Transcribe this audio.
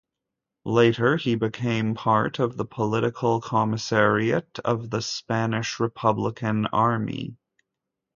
Later he became part of the political commissariat of the Spanish Republican Army.